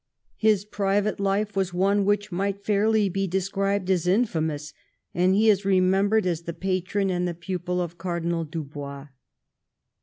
His private life was one which might fairly be described as infamous, and he is remembered as the patron and the pupil of Cardinal Dubois.